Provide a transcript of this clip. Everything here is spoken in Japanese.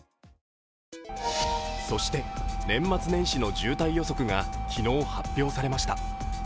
そして、年末年始の渋滞予測が昨日発表されました。